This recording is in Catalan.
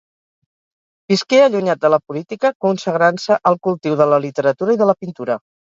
Visqué allunyat de la política, consagrant-se al cultiu de la literatura i de la pintura.